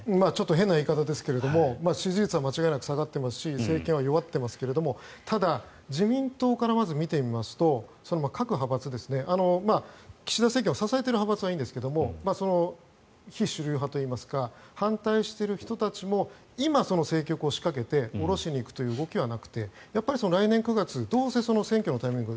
変な言い方ですが支持率は間違いなく下がっていますし政権は弱っていますけどただ、自民党から見てみますと各派閥ですね岸田政権を支えている派閥はいいんですけど非主流派といいますか反対している人たちも今、政局を仕掛けて降ろす動きはなくて来年９月どうせ選挙のタイミング